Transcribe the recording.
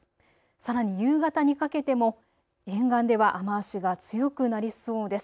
さらに夕方にかけても沿岸では雨足が強くなりそうです。